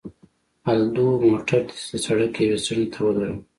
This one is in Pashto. الدو، موټر دې د سړک یوې څنډې ته ودروه.